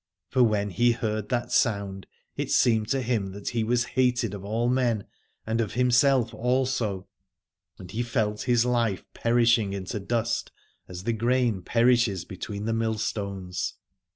For when he heard that sound it seemed to him that he was hated of all men and of himself also, and he felt his life perishing into dust as the grain perishes between the mill 141 Aladore stones.